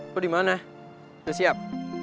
lo dimana udah siap